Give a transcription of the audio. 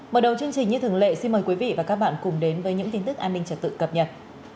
mở đầu chương trình như thường lệ xin mời quý vị và các bạn cùng đến với những tin tức an ninh trật tự cập nhật